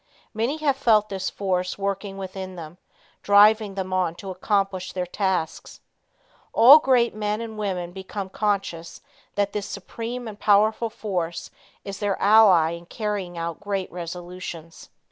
Many have felt this force working within them, driving them on to accomplish their tasks. All great men and women become conscious that this supreme and powerful force is their ally in carrying out great resolutions.